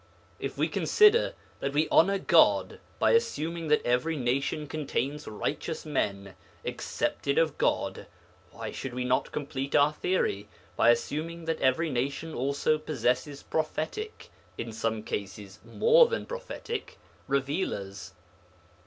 If we consider that we honour God by assuming that every nation contains righteous men, accepted of God, why should we not complete our theory by assuming that every nation also possesses prophetic (in some cases more than prophetic) revealers?